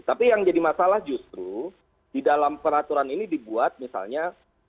tapi yang jadi masalah justru di dalam peraturan ini dibuat misalnya